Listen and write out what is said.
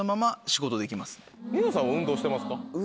ニノさんは運動してますか？